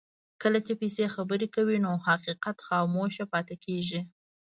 کله چې پیسې خبرې کوي نو حقیقت خاموش پاتې کېږي.